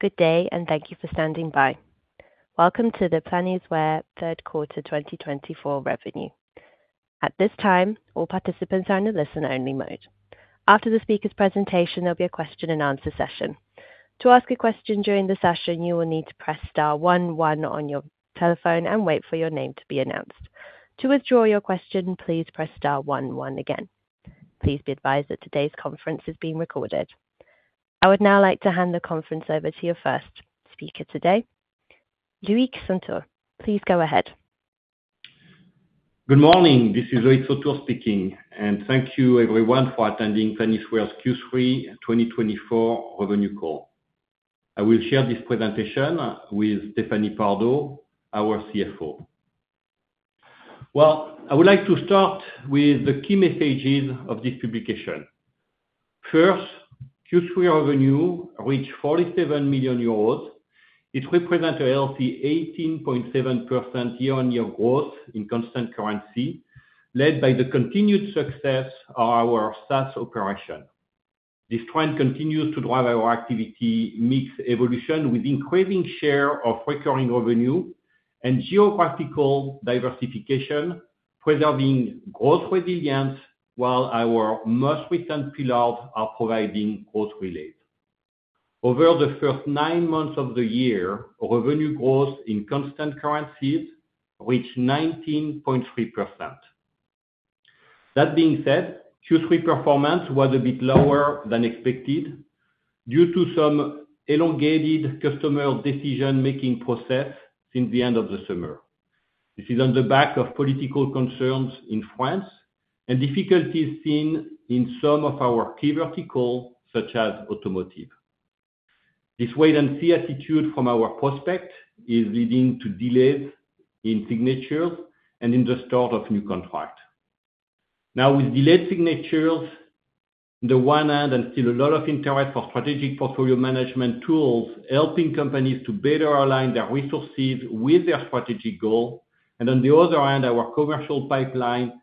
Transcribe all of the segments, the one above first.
Good day, and thank you for standing by. Welcome to the Planisware third quarter 2024 revenue. At this time, all participants are in a listen-only mode. After the speaker's presentation, there'll be a question-and-answer session. To ask a question during the session, you will need to press star one one on your telephone and wait for your name to be announced. To withdraw your question, please press star one one again. Please be advised that today's conference is being recorded. I would now like to hand the conference over to your first speaker today, Loïc Sautour. Please go ahead. Good morning. This is Loïc Sautour speaking, and thank you, everyone, for attending Planisware's Q3 2024 revenue call. I will share this presentation with Stéphanie Pardo, our CFO. I would like to start with the key messages of this publication. First, Q3 revenue reached 47 million euros. It represent a healthy 18.7% year-on-year growth in constant currency, led by the continued success of our SaaS operation. This trend continues to drive our activity mix evolution with increasing share of recurring revenue and geographical diversification, preserving growth resilience, while our most recent pillars are providing growth relays. Over the first nine months of the year, revenue growth in constant currencies reached 19.3%. That being said, Q3 performance was a bit lower than expected due to some elongated customer decision-making process since the end of the summer. This is on the back of political concerns in France and difficulties seen in some of our key verticals, such as automotive. This wait-and-see attitude from our prospect is leading to delays in signatures and in the start of new contract. Now, with delayed signatures, on the one hand, and still a lot of interest for strategic portfolio management tools, helping companies to better align their resources with their strategic goal, and on the other hand, our commercial pipeline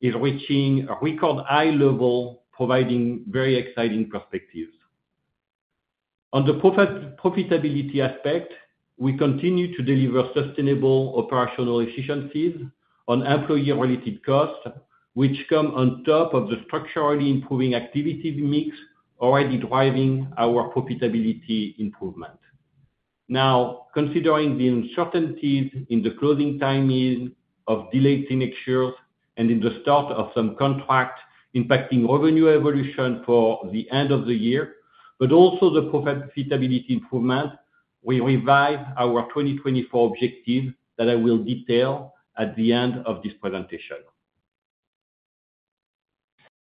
is reaching a record high level, providing very exciting perspectives. On the profitability aspect, we continue to deliver sustainable operational efficiencies on employee-related costs, which come on top of the structurally improving activity mix, already driving our profitability improvement. Now, considering the uncertainties in the closing timing of delayed signatures and in the start of some contract impacting revenue evolution for the end of the year, but also the profitability improvement, we revise our 2024 objective that I will detail at the end of this presentation.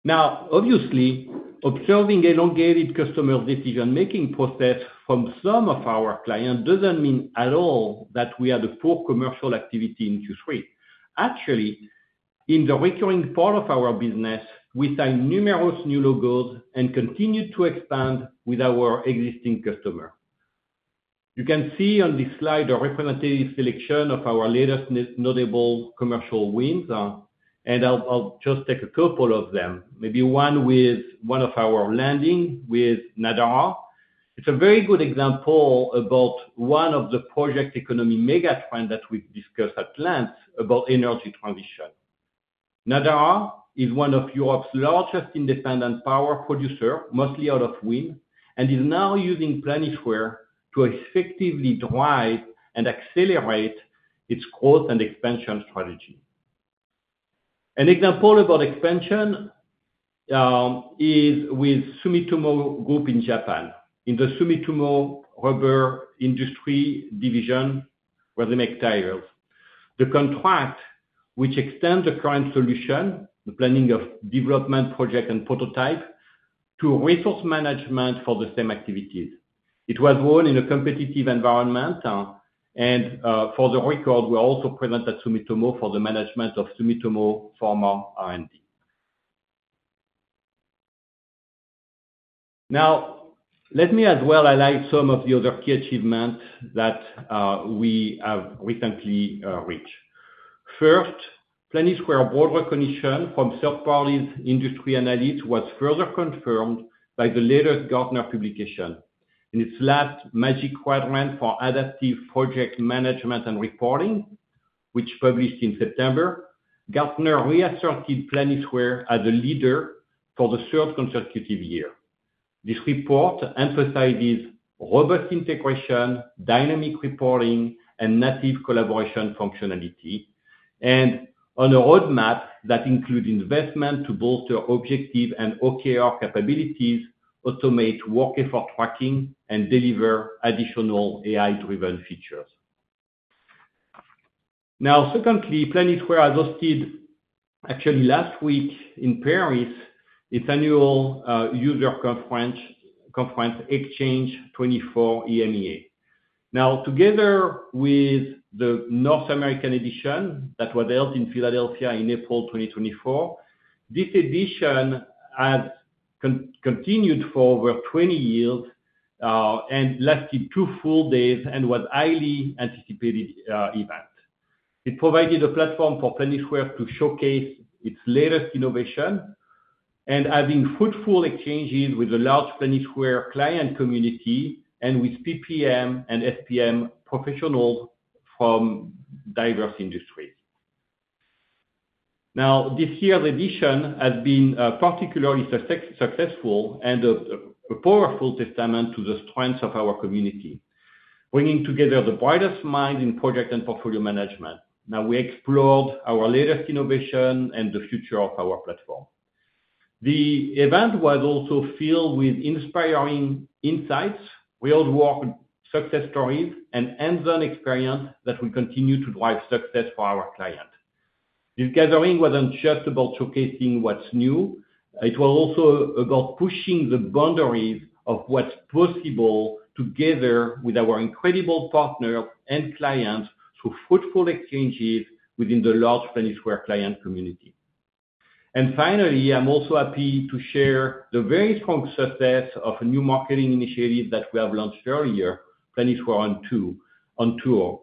Now, obviously, observing elongated customer decision-making process from some of our clients doesn't mean at all that we had a poor commercial activity in Q3. Actually, in the recurring part of our business, we signed numerous new logos and continued to expand with our existing customer. You can see on this slide a representative selection of our latest notable commercial wins, and I'll just take a couple of them, maybe one with one of our landing with Nadara. It's a very good example about one of the project economy mega trend that we've discussed at length about energy transition. Nadara is one of Europe's largest independent power producer, mostly out of wind, and is now using Planisware to effectively drive and accelerate its growth and expansion strategy. An example about expansion is with Sumitomo Group in Japan, in the Sumitomo Rubber Industries division, where they make tires. The contract, which extends the current solution, the planning of development, project, and prototype to resource management for the same activities. It was won in a competitive environment, and for the record, we also present at Sumitomo for the management of Sumitomo Pharma R&D. Now, let me as well highlight some of the other key achievements that we have recently reached. First, Planisware's broad recognition from third parties, industry analysts, was further confirmed by the latest Gartner publication. In its last Magic Quadrant for Adaptive Project Management and Reporting, which published in September, Gartner reasserted Planisware as a leader for the third consecutive year. This report emphasizes robust integration, dynamic reporting, and native collaboration functionality, and on a roadmap that includes investment to both your objective and OKR capabilities, automate work effort tracking, and deliver additional AI-driven features. Now, secondly, Planisware hosted, actually, last week in Paris, its annual user conference, Conference XChange 2024 EMEA. Now, together with the North American edition that was held in Philadelphia in April 2024, this edition has continued for over 20 years and lasted two full days and was highly anticipated event. It provided a platform for Planisware to showcase its latest innovations and having fruitful exchanges with the large Planisware client community and with PPM and SPM professionals from diverse industries. Now, this year's edition has been particularly successful and a powerful testament to the strength of our community, bringing together the brightest minds in project and portfolio management. Now, we explored our latest innovation and the future of our platform. The event was also filled with inspiring insights, real-world success stories, and hands-on experience that will continue to drive success for our clients. This gathering wasn't just about showcasing what's new, it was also about pushing the boundaries of what's possible together with our incredible partners and clients through fruitful exchanges within the large Planisware client community. And finally, I'm also happy to share the very strong success of a new marketing initiative that we have launched earlier, Planisware On Tour.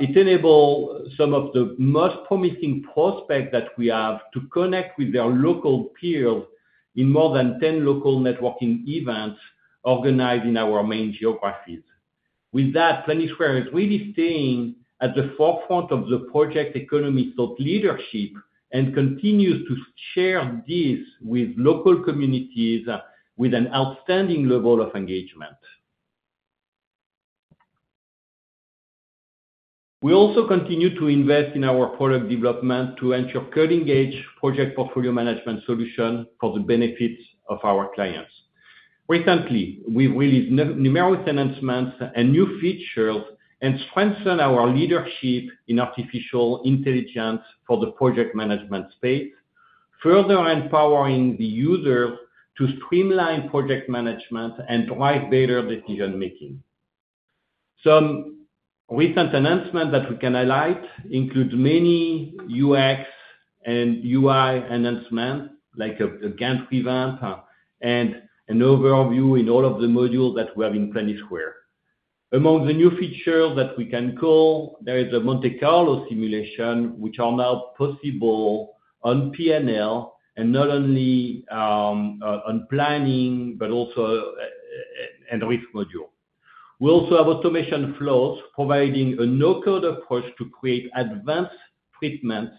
It enable some of the most promising prospects that we have to connect with their local peers in more than 10 local networking events organized in our main geographies. With that, Planisware is really staying at the forefront of the project economy thought leadership, and continues to share this with local communities with an outstanding level of engagement. We also continue to invest in our product development to ensure cutting-edge project portfolio management solution for the benefit of our clients. Recently, we released numeric enhancements and new features, and strengthened our leadership in artificial intelligence for the project management space, further empowering the users to streamline project management and drive better decision-making. Some recent announcement that we can highlight includes many UX and UI enhancements, like a Gantt revamp, and an overview in all of the modules that we have in Planisware. Among the new features that we can call, there is a Monte Carlo simulation, which are now possible on P&L, and not only on planning, but also on risk module. We also have automation flows, providing a no-code approach to create advanced treatments,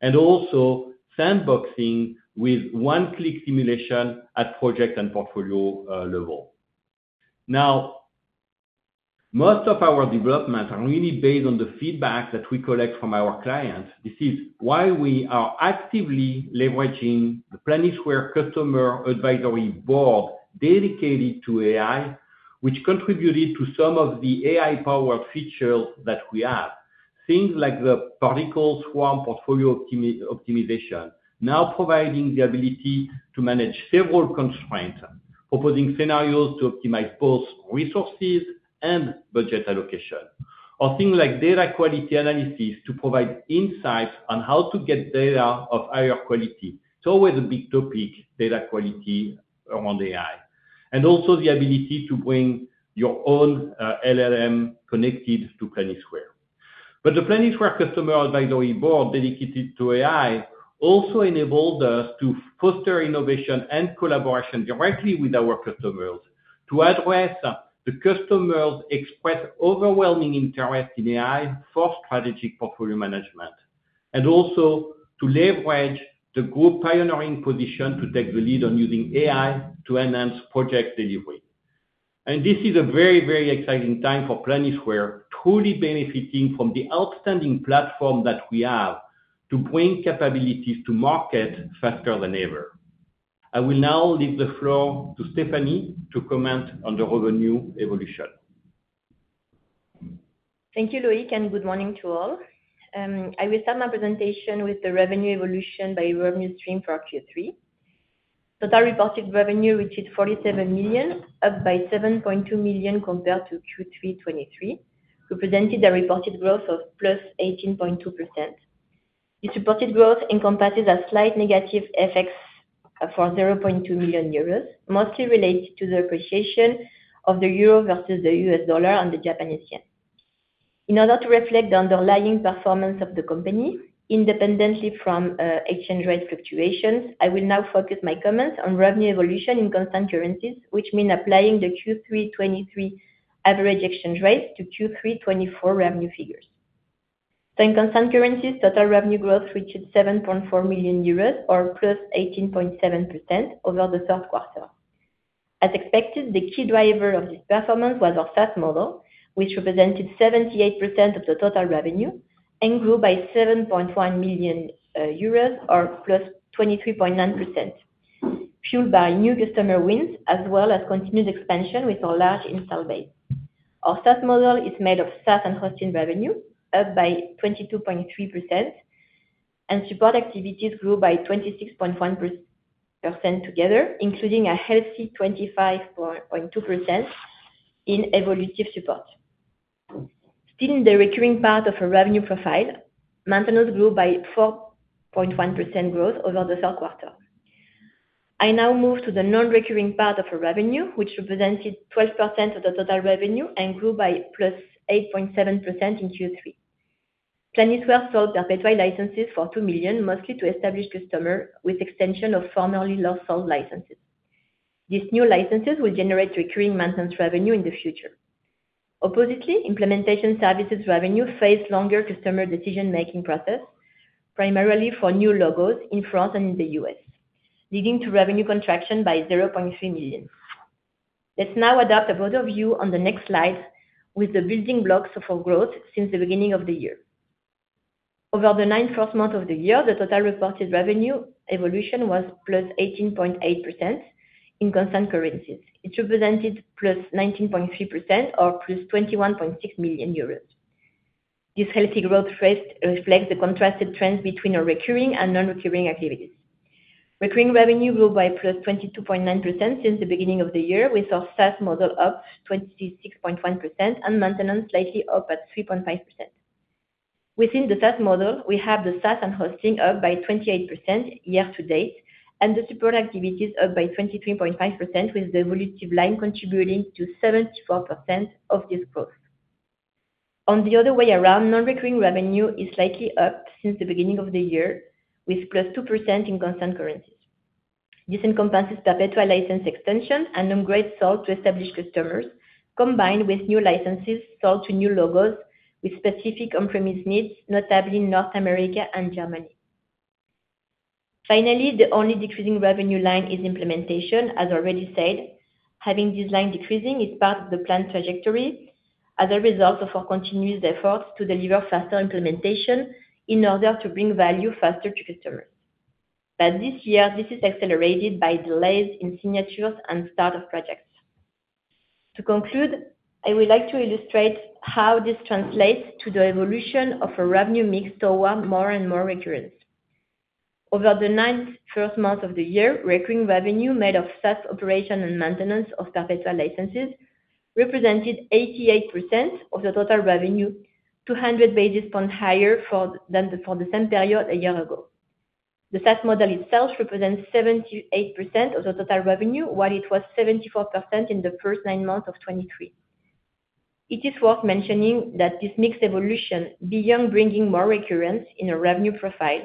and also sandboxing with one-click simulation at project and portfolio level. Now, most of our developments are really based on the feedback that we collect from our clients. This is why we are actively leveraging the Planisware Customer Advisory Board dedicated to AI, which contributed to some of the AI-powered features that we have. Things like the Particle Swarm Portfolio Optimization, now providing the ability to manage several constraints, proposing scenarios to optimize both resources and budget allocation. Or things like data quality analysis to provide insights on how to get data of higher quality. It's always a big topic, data quality, around AI. And also the ability to bring your own LLM connected to Planisware. But the Planisware Customer Advisory Board dedicated to AI also enabled us to foster innovation and collaboration directly with our customers, to address the customers' expressed overwhelming interest in AI for strategic portfolio management, and also to leverage the group pioneering position to take the lead on using AI to enhance project delivery. And this is a very, very exciting time for Planisware, truly benefiting from the outstanding platform that we have to bring capabilities to market faster than ever. I will now leave the floor to Stephanie to comment on the revenue evolution. Thank you, Loïc, and good morning to all. I will start my presentation with the revenue evolution by revenue stream for Q3. Total reported revenue reached 47 million, up by 7.2 million compared to Q3 2023, represented a reported growth of +18.2%. This reported growth encompasses a slight negative FX for 0.2 million euros, mostly related to the appreciation of the euro versus the U.S. dollar and the Japanese yen. In order to reflect the underlying performance of the company independently from exchange rate fluctuations, I will now focus my comments on revenue evolution in constant currencies, which mean applying the Q3 2023 average exchange rates to Q3 2024 revenue figures. So in constant currencies, total revenue growth reached 7.4 million euros, or +18.7% over the third quarter. As expected, the key driver of this performance was our SaaS model, which represented 78% of the total revenue and grew by 7.1 million euros, or +23.9%, fueled by new customer wins, as well as continued expansion with our large install base. Our SaaS model is made of SaaS and hosting revenue, up by 22.3%, and support activities grew by 26.1% together, including a healthy 25.2% in evolutive support. Still, in the recurring part of our revenue profile, maintenance grew by 4.1% growth over the third quarter. I now move to the non-recurring part of our revenue, which represented 12% of the total revenue and grew by +8.7% in Q3. Planisware sold perpetual licenses for 2 million, mostly to established customers with extension of formerly lost sold licenses. These new licenses will generate recurring maintenance revenue in the future. Oppositely, implementation services revenue face longer customer decision-making process, primarily for new logos in France and in the U.S., leading to revenue contraction by 0.3 million. Let's now adopt a broader view on the next slide with the building blocks of our growth since the beginning of the year. Over the first nine months of the year, the total reported revenue evolution was +18.8% in constant currencies. It represented +19.3% or +21.6 million euros. This healthy growth rate reflects the contrasted trends between our recurring and non-recurring activities. Recurring revenue grew by plus 22.9% since the beginning of the year, with our SaaS model up 26.1% and maintenance slightly up at 3.5%. Within the SaaS model, we have the SaaS and hosting up by 28% year to date, and the support activities up by 23.5%, with the evolutive line contributing to 74% of this growth. On the other way around, non-recurring revenue is slightly up since the beginning of the year, with plus 2% in constant currencies. This encompasses perpetual license extension and upgrade sold to established customers, combined with new licenses sold to new logos with specific on-premise needs, notably in North America and Germany. Finally, the only decreasing revenue line is implementation, as already said. Having this line decreasing is part of the planned trajectory as a result of our continuous efforts to deliver faster implementation in order to bring value faster to customers. But this year, this is accelerated by delays in signatures and start of projects. To conclude, I would like to illustrate how this translates to the evolution of a revenue mix toward more and more recurrence. Over the first nine months of the year, recurring revenue made of SaaS operation and maintenance of perpetual licenses represented 88% of the total revenue, 200 basis points higher than for the same period a year ago. The SaaS model itself represents 78% of the total revenue, while it was 74% in the first nine months of 2023. It is worth mentioning that this mixed evolution, beyond bringing more recurrence in a revenue profile,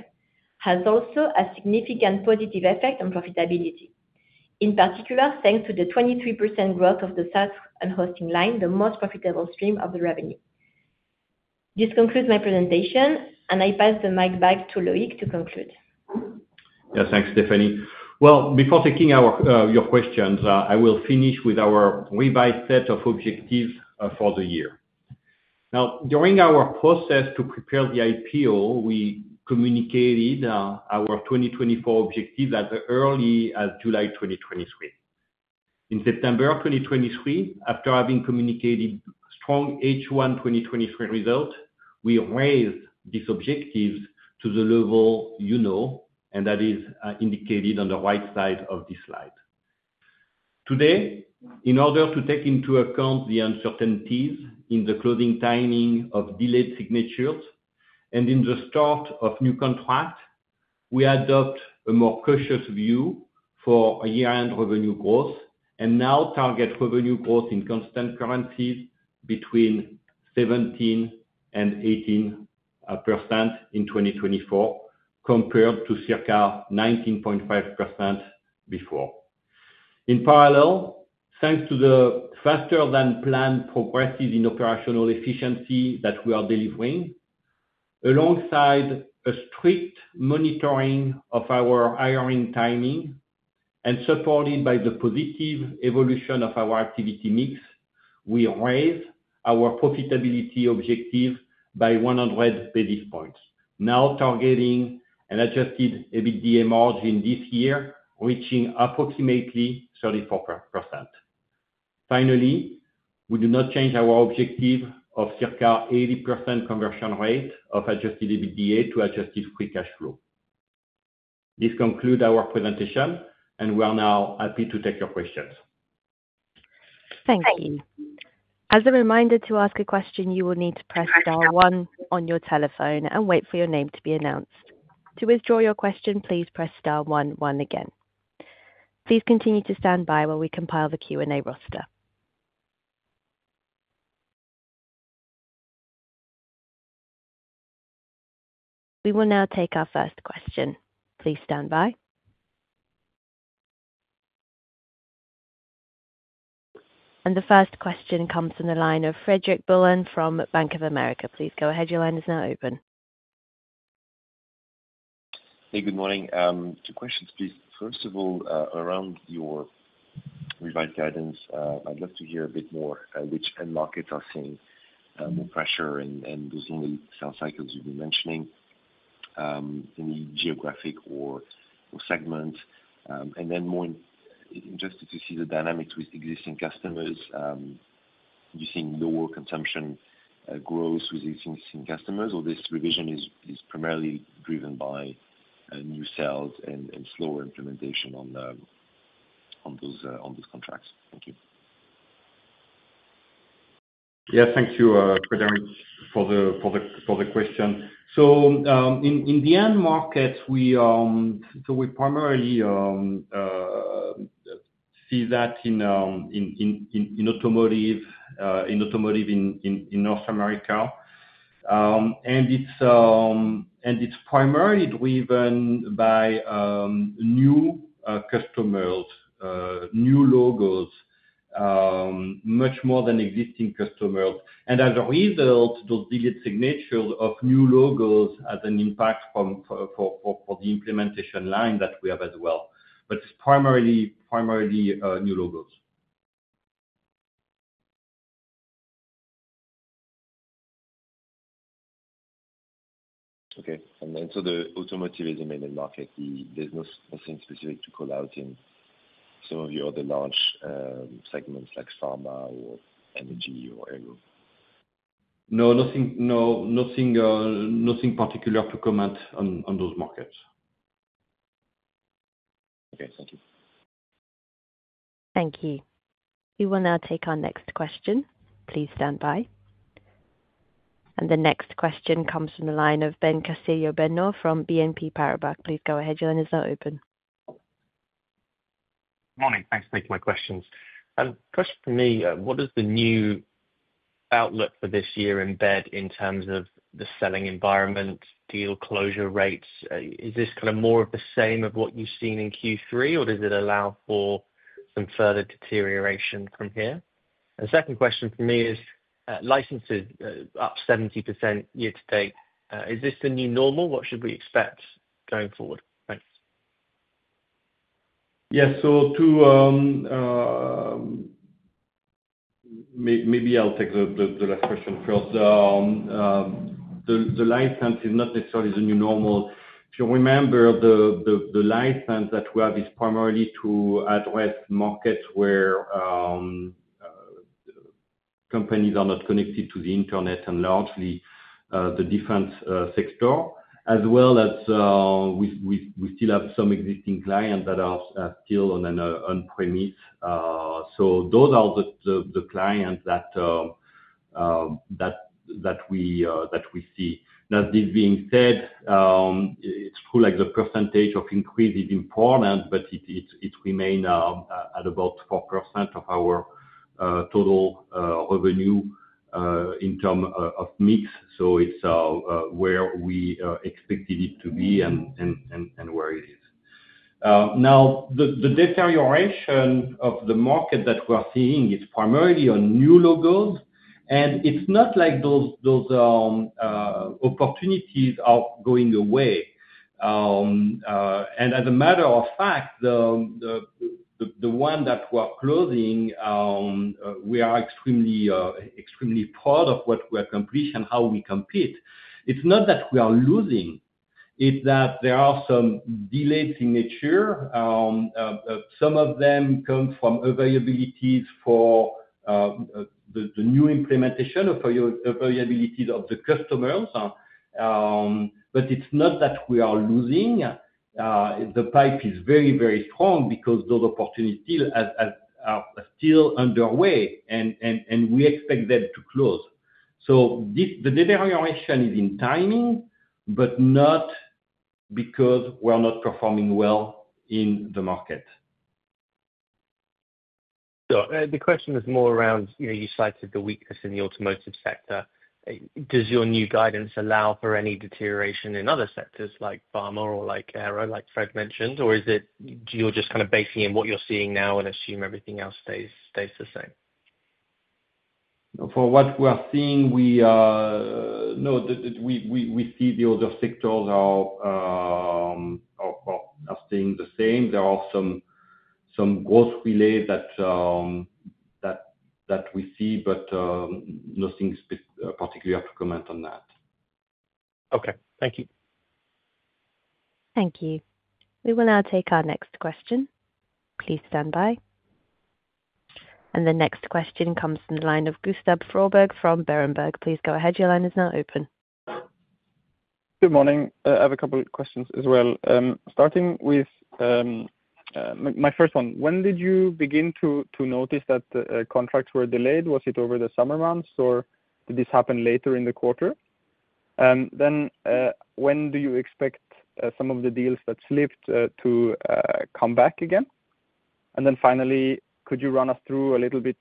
has also a significant positive effect on profitability. In particular, thanks to the 23% growth of the SaaS and hosting line, the most profitable stream of the revenue. This concludes my presentation, and I pass the mic back to Loïc to conclude. Yeah, thanks, Stephanie. Well, before taking our, your questions, I will finish with our revised set of objectives for the year. Now, during our process to prepare the IPO, we communicated our 2024 objective as early as July 2023. In September of 2023, after having communicated strong H1 2023 result, we raised this objective to the level you know, and that is indicated on the right side of this slide. Today, in order to take into account the uncertainties in the closing timing of delayed signatures and in the start of new contract, we adopt a more cautious view for year-end revenue growth and now target revenue growth in constant currencies between 17% and 18% in 2024, compared to circa 19.5% before. In parallel, thanks to the faster than planned progresses in operational efficiency that we are delivering, alongside a strict monitoring of our hiring timing and supported by the positive evolution of our activity mix, we raise our profitability objective by 100 basis points, now targeting an adjusted EBITDA margin this year, reaching approximately 34%. Finally, we do not change our objective of circa 80% conversion rate of adjusted EBITDA to adjusted free cash flow. This concludes our presentation, and we are now happy to take your questions. Thank you. As a reminder, to ask a question, you will need to press star one on your telephone and wait for your name to be announced. To withdraw your question, please press star one one again. Please continue to stand by while we compile the Q&A roster. We will now take our first question. Please stand by. And the first question comes from the line of Frederic Boulan from Bank of America. Please go ahead. Your line is now open. Hey, good morning. Two questions, please. First of all, around your revised guidance, I'd love to hear a bit more, which end markets are seeing more pressure and those longer sales cycles you've been mentioning, any geographic or segment? And then just to see the dynamics with existing customers, you're seeing lower consumption growth with existing customers, or this revision is primarily driven by new sales and slower implementation on those contracts. Thank you. Yeah, thank you, Frederic, for the question. So, in the end markets, we primarily see that in automotive in North America. And it's primarily driven by new customers, new logos, much more than existing customers. And as a result, those delayed signatures of new logos has an impact for the implementation line that we have as well. But it's primarily new logos. Okay. And then, so the automotive is the main market, there's nothing specific to call out in some of your other large segments like pharma or energy or aero? No, nothing particular to comment on, on those markets. Okay, thank you. Thank you. We will now take our next question. Please stand by, and the next question comes from the line of Ben Castillo-Bernaus from BNP Paribas. Please go ahead, your line is now open. Morning. Thanks for taking my questions. First for me, what is the new outlook for this year indeed in terms of the selling environment, deal closure rates? Is this kind of more of the same of what you've seen in Q3, or does it allow for some further deterioration from here? And second question for me is, licenses up 70% year-to-date. Is this the new normal? What should we expect going forward? Thanks. Yeah. So maybe I'll take the last question first. The license is not necessarily the new normal. If you remember, the license that we have is primarily to address markets where companies are not connected to the internet, and largely the different sector, as well as we still have some existing clients that are still on an on-premise. So those are the clients that we see. Now, this being said, it's true, like the percentage of increase is important, but it remain at about 4% of our total revenue in terms of mix. So it's where we expected it to be and where it is. Now, the deterioration of the market that we're seeing is primarily on new logos, and it's not like those opportunities are going away. And as a matter of fact, the one that we're closing, we are extremely proud of what we have completed and how we compete. It's not that we are losing, it's that there are some delayed signature. Some of them come from availabilities for the new implementation of your availabilities of the customers. But it's not that we are losing. The pipe is very strong because those opportunities are still underway, and we expect them to close. So the deterioration is in timing, but not because we're not performing well in the market. The question is more around, you know, you cited the weakness in the automotive sector. Does your new guidance allow for any deterioration in other sectors like pharma or like aero, like Fred mentioned? Or is it just kind of basing in what you're seeing now and assume everything else stays the same? For what we are seeing, we see the other sectors are staying the same. There are some growth, really, that we see, but nothing particularly to comment on that. Okay, thank you. Thank you. We will now take our next question. Please stand by. And the next question comes from the line of Gustav Froberg from Berenberg. Please go ahead, your line is now open. Good morning. I have a couple of questions as well. Starting with my first one, when did you begin to notice that the contracts were delayed? Was it over the summer months, or did this happen later in the quarter? Then, when do you expect some of the deals that slipped to come back again? And then finally, could you run us through a little bit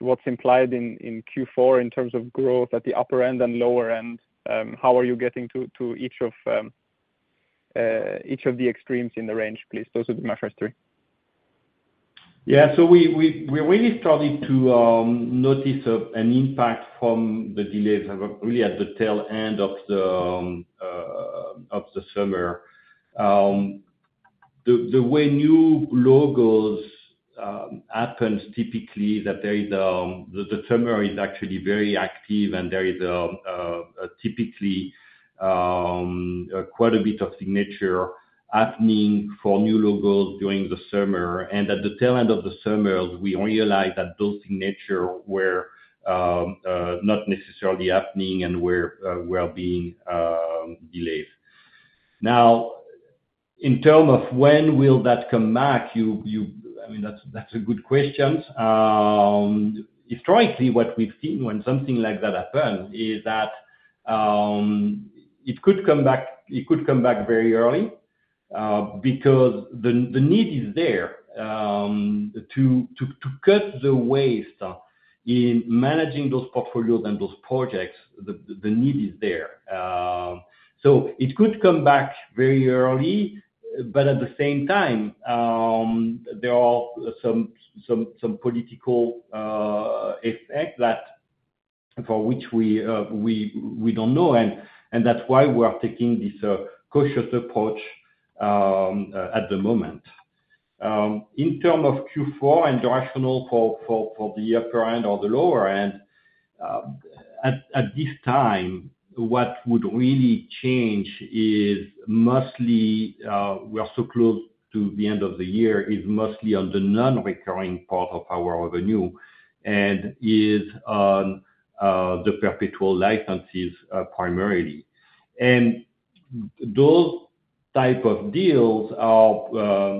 what's implied in Q4 in terms of growth at the upper end and lower end? How are you getting to each of the extremes in the range, please? Those are my first three. Yeah. So we really started to notice an impact from the delays really at the tail end of the summer. The way new logos happens typically that there is the summer is actually very active and there is typically quite a bit of signature happening for new logos during the summer. And at the tail end of the summer, we realized that those signature were not necessarily happening and were being delayed. Now, in term of when will that come back, you I mean that's a good question. Historically, what we've seen when something like that happen is that it could come back. It could come back very early, because the need is there to cut the waste in managing those portfolios and those projects. The need is there. So it could come back very early, but at the same time, there are some political effect that for which we don't know, and that's why we are taking this cautious approach at the moment. In terms of Q4 and directional for the upper end or the lower end, at this time, what would really change is mostly, we are so close to the end of the year, is mostly on the non-recurring part of our revenue and is on the perpetual licenses primarily. And those type of deals are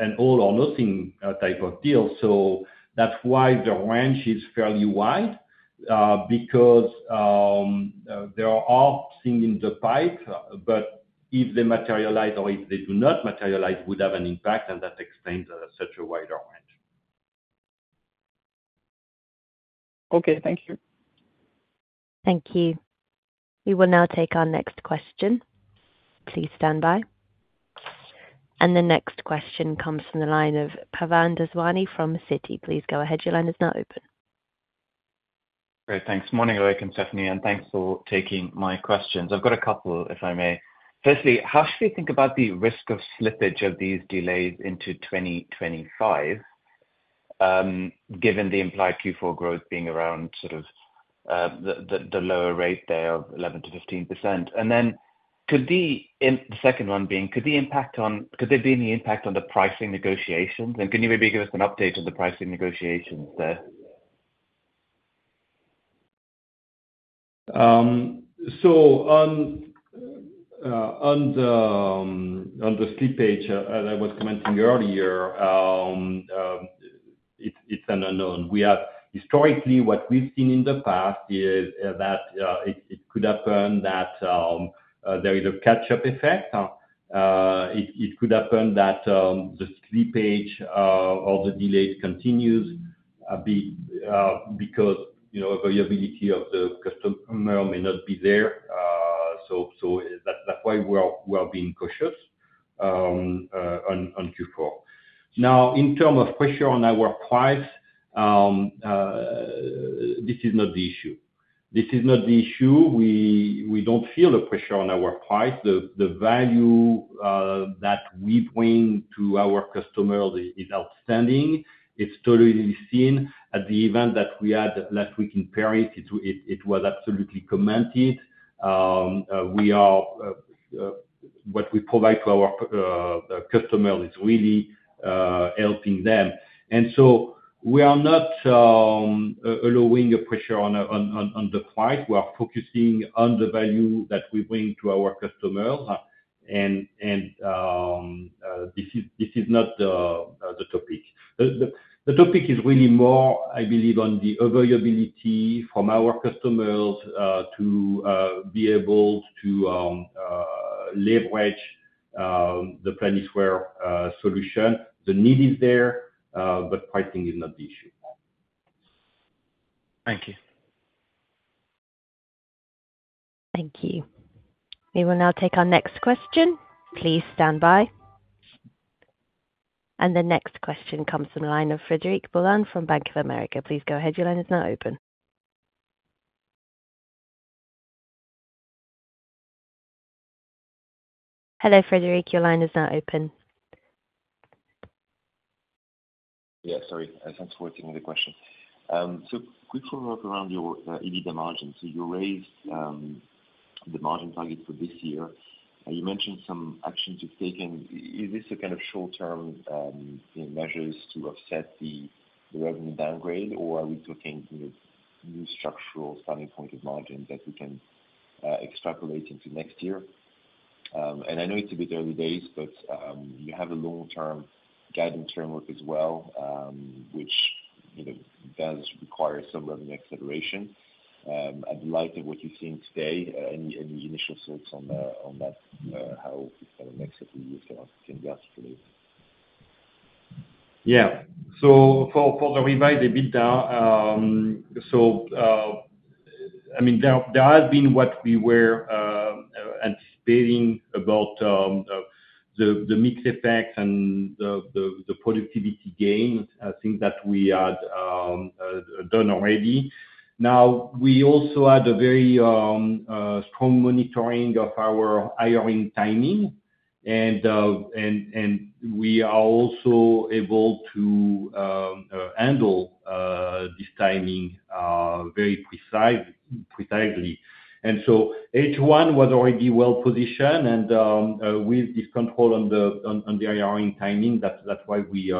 an all or nothing type of deal, so that's why the range is fairly wide, because there are all things in the pipeline, but if they materialize or if they do not materialize, would have an impact, and that explains such a wide range. Okay, thank you. Thank you. We will now take our next question. Please stand by, and the next question comes from the line of Pavan Daswani from Citi. Please go ahead. Your line is now open. Great, thanks. Morning, Loïc and Stephanie, and thanks for taking my questions. I've got a couple, if I may. Firstly, how should we think about the risk of slippage of these delays into 2025, given the implied Q4 growth being around sort of the lower rate there of 11%-15%? And the second one being, could there be any impact on the pricing negotiations? And can you maybe give us an update on the pricing negotiations there? So on the slippage, as I was commenting earlier, it's an unknown. We have historically, what we've seen in the past is that it could happen that there is a catch-up effect. It could happen that the slippage or the delays continues because, you know, availability of the customer may not be there. So that's why we are being cautious on Q4. Now, in term of pressure on our price, this is not the issue. This is not the issue. We don't feel the pressure on our price. The value that we bring to our customer is outstanding. It's totally seen at the event that we had last week in Paris. It was absolutely commended. We are what we provide to our customer is really helping them. And so we are not allowing a pressure on the price. We are focusing on the value that we bring to our customer, and this is not the topic. The topic is really more, I believe, on the availability from our customers to be able to leverage the Planisware solution. The need is there, but pricing is not the issue. Thank you. Thank you. We will now take our next question. Please stand by. And the next question comes from the line of Frederic Boulan from Bank of America. Please go ahead. Your line is now open. Hello, Frederic, your line is now open. Yeah, sorry. Thanks for taking the question. So quick follow-up around your EBITDA margin. So you raised the margin target for this year, and you mentioned some actions you've taken. Is this a kind of short-term, you know, measures to offset the revenue downgrade, or are we talking, you know, new structural starting point of margin that we can extrapolate into next year? And I know it's a bit early days, but you have a long-term guidance framework as well, which, you know, does require some revenue acceleration. I'd like of what you're seeing today, any initial thoughts on that, how kind of next year can be estimated? Yeah. So for the revised EBITDA, so, I mean, there has been what we were anticipating about the mix effect and the productivity gains, I think that we had done already. Now, we also had a very strong monitoring of our hiring timing, and we are also able to handle this timing very precisely. And so H1 was already well positioned, and with this control on the hiring timing, that's why we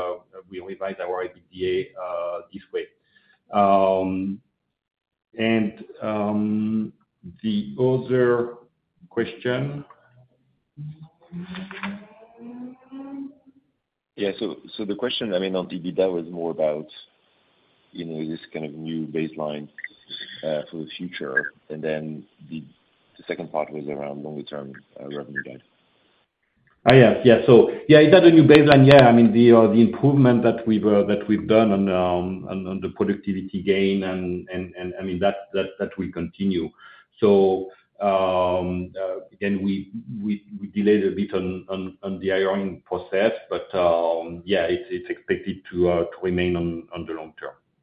revised our EBITDA this way. And the other question? Yeah. So, so the question, I mean, on EBITDA was more about, you know, this kind of new baseline, for the future. And then the second part was around longer-term, revenue guide. Ah, yes. Yeah. So, yeah, is that a new baseline? Yeah, I mean, the improvement that we've done on the productivity gain, and I mean, that will continue. So, again, we delayed a bit on the hiring process, but yeah, it's expected to remain on the long term.